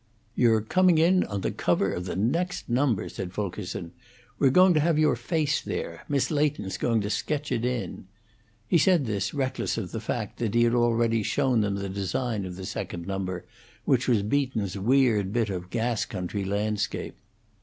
"You're coming in on the cover of the next number," said Fulkerson. "We're going to have your face there; Miss Leighton's going to sketch it in." He said this reckless of the fact that he had already shown them the design of the second number, which was Beaton's weird bit of gas country landscape.